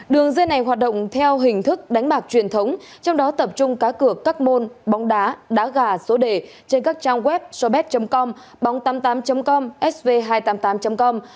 đường dây này hoạt động theo hình thức đánh bạc truyền thống trong đó tập trung cá cược các môn bóng đá đá gà số đề trên các trang web serbet com bóng tám mươi tám com sv hai trăm tám mươi tám com